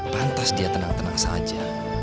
pantas dia tenang tenang saja